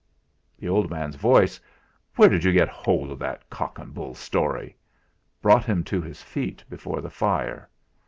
The old man's voice: "Where did you get hold of that cock and bull story?" brought him to his feet before the fire.